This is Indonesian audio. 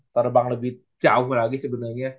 terbang lebih jauh lagi sebenarnya